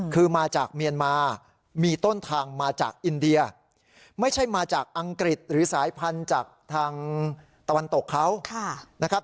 คือมาจากเมียนมามีต้นทางมาจากอินเดียไม่ใช่มาจากอังกฤษหรือสายพันธุ์จากทางตะวันตกเขานะครับ